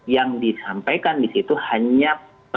yang disampaikan disitu hanya